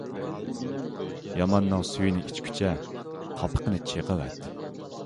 ياماننىڭ سۈيىنى ئىچكۈچە، قاپىقىنى چېقىۋەت.